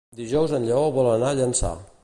Dijous en Lleó vol anar a Llançà.